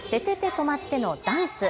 とまって！のダンス。